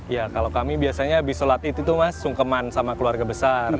ya kalau kami biasanya habis sholat itu mas sungkeman sama keluarga besar